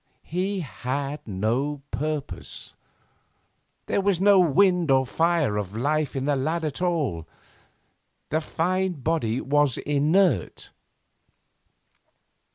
He had no purpose. There was no wind or fire of life in the lad at all. The fine body was inert.